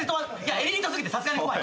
エリート過ぎてさすがに怖い。